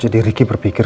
jadi ricky berpikir